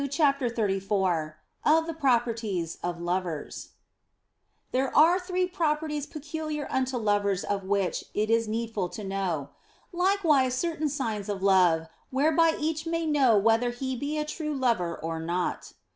CHAPTER XXXIV OF THE PROPERTIES OF LOVERS THERE are three properties peculiar unto lovers of which it is needful to know. Likewise certain signs of love, whereby each may know whether he be a true lover or not.